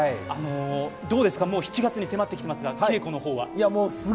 どうですか、７月に迫ってきていますが、稽古の方は。